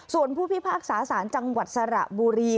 ส่วนผู้พิพากษาสารจังหวัดสระบุรี